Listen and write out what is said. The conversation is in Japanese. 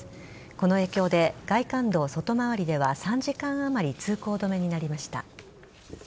この影響で外環道外回りでは３時間あまり通行止めになりました。